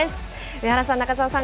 上原さん、中澤さん